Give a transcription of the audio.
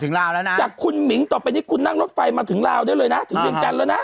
ลาวแล้วนะจากคุณหมิงต่อไปนี่คุณนั่งรถไฟมาถึงลาวได้เลยนะถึงเวียงจันทร์แล้วนะ